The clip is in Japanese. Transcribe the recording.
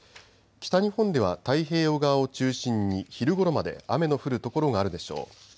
北日本では太平洋側を中心に昼ごろまで雨の降る所があるでしょう。